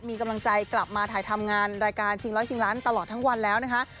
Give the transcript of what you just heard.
มีกำลังใจกลับมาถ่ายทำงานรายการชิงร้อยชิงล้านตลอดทั้งวันแล้วนะคะ